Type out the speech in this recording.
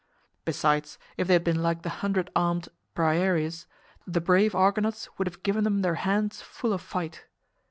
Besides, if they had been like the hundred armed Briareus, the brave Argonauts would have given them their hands full of fight.